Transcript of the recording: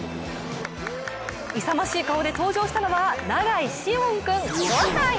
勇ましい顔で登場したのは永井師園君５歳。